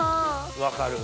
分かる。